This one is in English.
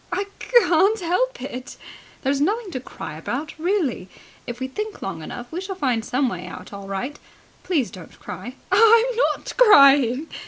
"I c can't help it!" "There's nothing to cry about, really! If we think long enough, we shall find some way out all right. Please don't cry." "I'm not crying!"